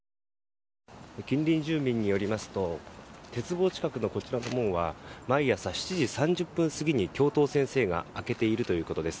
近隣住民によりますと鉄棒近くのこちらの門は毎朝７時３０分過ぎに教頭先生が開けているということです。